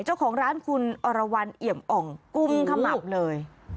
เจ้าของร้านคุณอรวรรณเอี่ยมอ่องกุมขมับเลย